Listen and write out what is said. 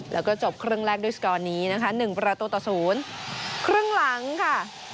แล้วก็จบครึ่งแรกด้วยสกอร์นี้นะคะ๑ประตูต่อ๐ครึ่งหลังค่ะ